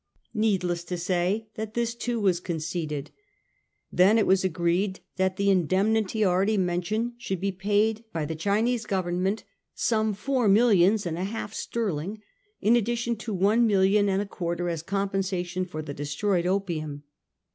Needless to say that this too was conceded. Then it was agreed that the indemnity already mentioned should be paid by the Chinese Government— some four millions and a half sterling, in addition to one million and a quarter as compensation for the de stroyed opium.